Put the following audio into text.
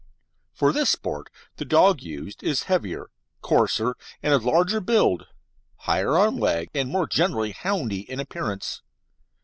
For this sport the dog used is heavier, coarser, and of larger build, higher on the leg, and more generally houndy in appearance.